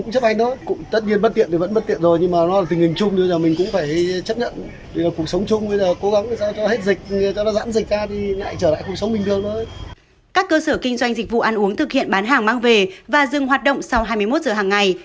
các cơ sở kinh doanh dịch vụ ăn uống thực hiện bán hàng mang về và dừng hoạt động sau hai mươi một giờ hàng ngày